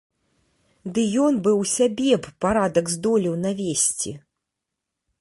Ды ён бы ў сябе б парадак здолеў навесці!